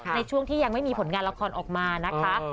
ในช่วงที่ยังไม่มีผลงานละครออกมานะคะ